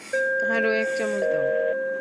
আরো এক চামচ দাও।